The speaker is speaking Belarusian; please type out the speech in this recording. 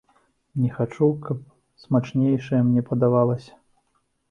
Не хачу, каб смачнейшае мне падавалася!